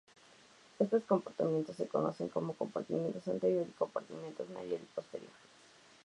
Estos compartimentos se conocen como compartimento anterior, compartimentos medial y posterior.